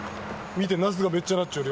見てナスがめっちゃんなっちょん。